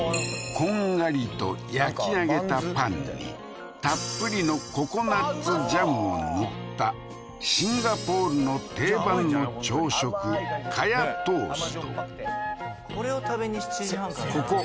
こんがりと焼き上げたパンにたっぷりのココナッツジャムを塗ったシンガポールのこれを食べに７時半から並んでるねんね